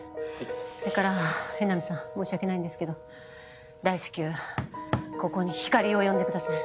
それから江波さん申し訳ないんですけど大至急ここにひかりを呼んでください。